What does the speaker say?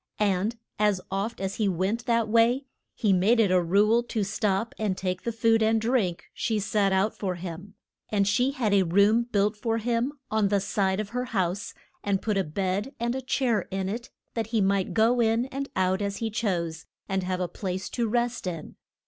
And as oft as he went that way, he made it a rule to stop and take the food and drink she set out for him. And she had a room built for him on the side of her house, and put a bed and a chair in it, that he might go in and out as he chose, and have a place to rest in.